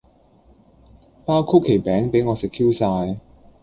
包曲奇餅比我食 Q 曬